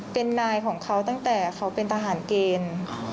เป็นนายของเขาตั้งแต่เขาเป็นทหารเกณฑ์